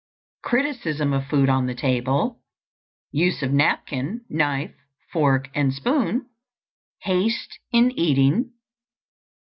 _ Criticism of food on the table. Use of napkin, knife, fork, and spoon. _Haste in eating.